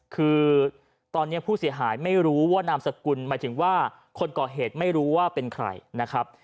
คือตอนนี้ผู้เสียหายไม่รู้ว่านามสกุลหมายถึงว่าคนก่อเหตุไม่รู้ว่าเป็นใครนะครับ